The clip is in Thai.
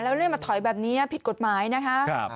แล้วเรื่อยมาถอยแบบนี้ผิดกฎหมายนะคะ